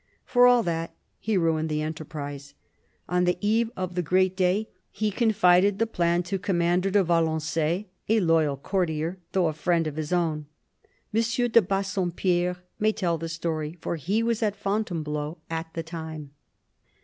For all that, he ruined the enterprise. On the eve of the great day he confided the plan to Commander de Valen^ay, a loyal courtier, though a friend of his own. M. de Bassompierre may tell the story, for he was at Fontainebleau at the time.